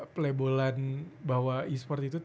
pelebolan bahwa esport itu